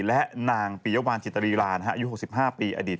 และนางปียวานจิตรีรานอายุ๖๕ปีอดีต